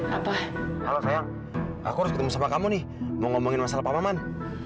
apa halo sayang aku ketemu sama kamu nih mau ngomongin masalah paman